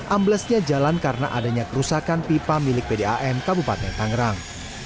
amblesnya jalan karena adanya kerusakan pipa milik pdam kabupaten tangerang